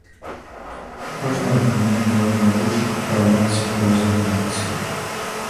Кожныя выхадныя двое вядучых адпраўляюцца ў розныя гарады свету.